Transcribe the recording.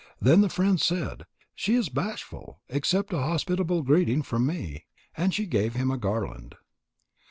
Then the friend said: "She is bashful. Accept a hospitable greeting from me." And she gave him a garland.